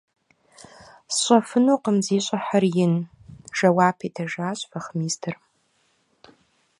– Не могу знать, ваше благородие, – отвечал вахмистр.